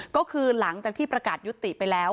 ก็คือหลังจากที่ประกาศยุติไปแล้ว